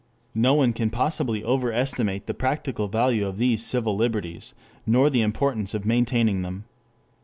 No one can possibly overestimate the practical value of these civil liberties, nor the importance of maintaining them.